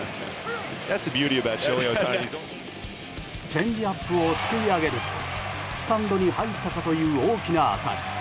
チェンジアップをすくい上げるとスタンドに入ったかという大きな当たり。